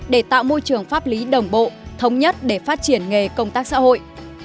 để tạo môi trường pháp lý đồng bộ thống nhất để phát triển nghề công tác xã hội